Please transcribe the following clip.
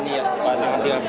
tidak ada hari hari